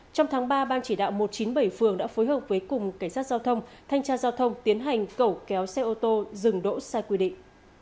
trong tháng ba ban chỉ đạo một trăm chín mươi bảy phường đã phối hợp với cùng cảnh sát giao thông thanh tra giao thông tiến hành cẩu kéo xe ô tô dừng đỗ sai quy định